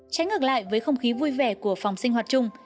tránh ngược lại với không khí vui vẻ của phòng sinh hoạt chung